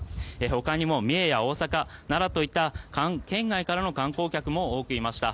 他にも三重や大阪、奈良といった県外からの観光客も多くいました。